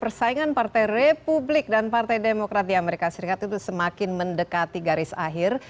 persaingan partai republik dan partai demokrat di amerika serikat itu semakin mendekati garis akhir